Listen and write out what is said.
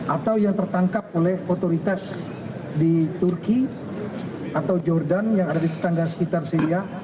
atau yang tertangkap oleh otoritas di turki atau jordan yang ada di tetangga sekitar syria